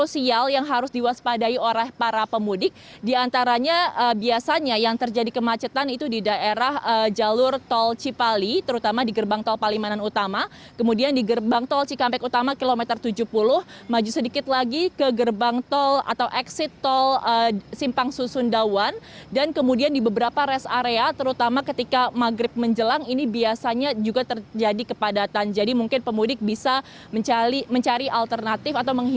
selamat bertugas kembali